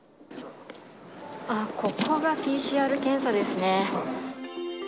ここがＰＣＲ検査ですね。